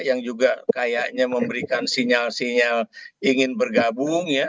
yang juga kayaknya memberikan sinyal sinyal ingin bergabung ya